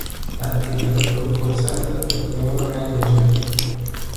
تعطیلات به او فرصت داد که اتاق را رنگ بزند.